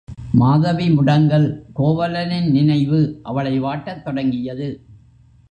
மாதவி முடங்கல் கோவலனின் நினைவு அவளை வாட்டத் தொடங் கியது.